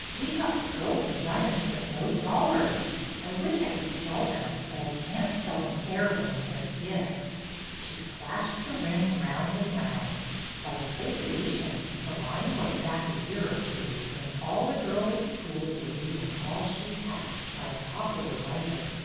We have pearls and diamonds, but no dollars. I wish I could sell them, but I can't sell an heirloom or a gift." She flashed the ring round and round. By association, her mind went back a year or two, when all the girls at school were reading All She Hath," by a popular writer.